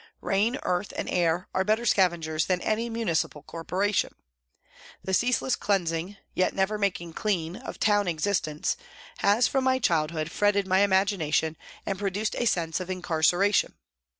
Rain, earth and air are better scavengers than any municipal corporation. The ceaseless cleansing, yet never making clean, of town existence has from my childhood fretted my imagina tion and produced a sense of incarceration.